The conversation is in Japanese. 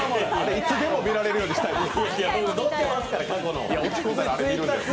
いつでも見られるようにしたいです。